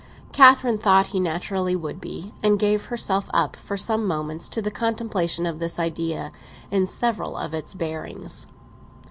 Catherine thought he naturally would be, and gave herself up for some moments to the contemplation of this idea, in several of its bearings.